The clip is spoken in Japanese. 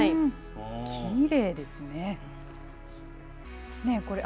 きれいですね。